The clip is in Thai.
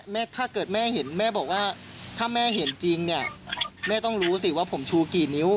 ถ้าเกิดแม่เห็นแม่บอกว่าถ้าแม่เห็นจริงเนี่ยแม่ต้องรู้สิว่าผมชูกี่นิ้ว